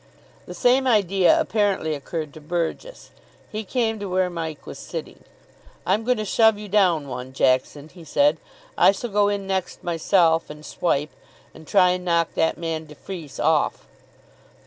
The same idea apparently occurred to Burgess. He came to where Mike was sitting. "I'm going to shove you down one, Jackson," he said. "I shall go in next myself and swipe, and try and knock that man de Freece off."